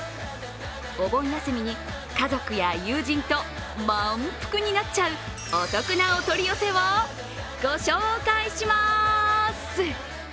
お盆休みに家族や友人と満腹になっちゃうお得なお取り寄せをご紹介します。